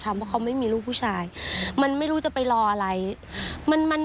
เพราะเขาไม่มีลูกผู้ชายมันไม่รู้จะไปรออะไรมันมัน